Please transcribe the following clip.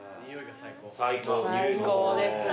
最高ですね。